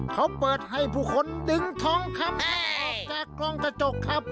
เขาเปิดให้ผู้คนดึงทองคำออกจากกองกระจกครับ